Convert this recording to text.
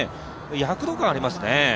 躍動感ありますね。